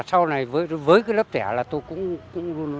câu này với cái lớp trẻ là tôi cũng